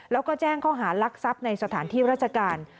แล้วก็แจ้งข้อหารักทรัพย์ในสถานที่ราชการ